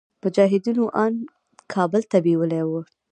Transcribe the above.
مجاهدينو ان کابل ته بيولي وو.